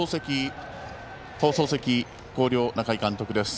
放送席、広陵の中井監督です。